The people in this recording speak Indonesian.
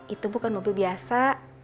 itu bukan mobil biasa